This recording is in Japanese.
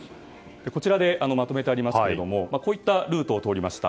こちらでまとめてありますがこういったルートを通りました。